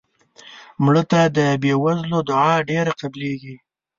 مړه ته د بې وزلو دعا ډېره قبلیږي